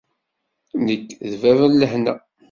Nekk, d bab n lehna.